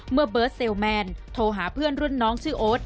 เมื่อเบิร์ตเซลแมนโทรหาเพื่อนรุ่นน้องชื่อโอ๊ต